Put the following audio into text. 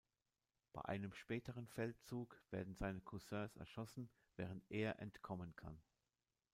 Bei einem späteren Feldzug werden seine Cousins erschossen, während er entkommen kann.